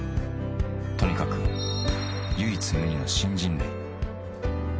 とにかく、唯一無二の新人類。